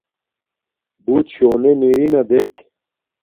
بُݸت شݸنݺ نِرِنݳ دݵک.